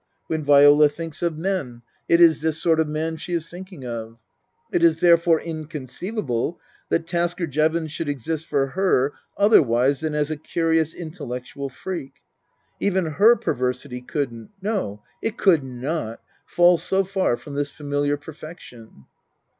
When Viola thinks of men it is this sort of man she is thinking of. It is therefore inconceivable that Tasker Jevons should exist for her otherwise than as a curious intellectual freak. Even her perversity couldn't no, it could not fall so far from this familiar perfection."